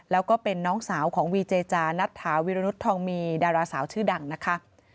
แล้วก็เป็นน้องสาวของวีเจจานัทถาวิรนุษย์ทองมีดาราสาวชื่อดังนะคะ